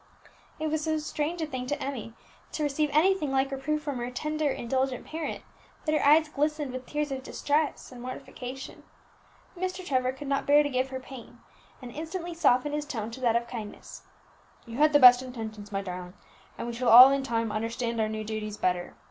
It was so strange a thing to Emmie to receive anything like reproof from her tender indulgent parent, that her eyes glistened with tears of distress and mortification. Mr. Trevor could not bear to give her pain, and instantly softened his tone to that of kindness. "You had the best intentions, my darling, and we shall all in time understand our new duties better.